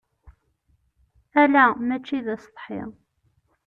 Ala mačči d asetḥi.